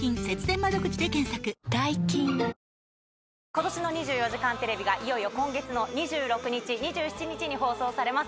今年の『２４時間テレビ』がいよいよ今月の２６日２７日に放送されます。